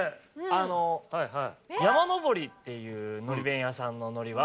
あの山登りっていう海苔弁屋さんの海苔は。